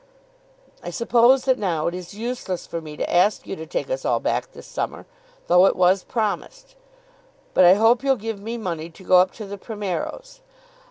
I suppose that now it is useless for me to ask you to take us all back this summer, though it was promised; but I hope you'll give me money to go up to the Primeros.